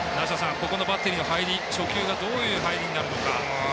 ここのバッテリーの入り初球がどういう入りになるのか。